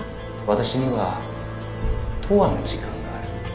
「私には永遠の時間がある」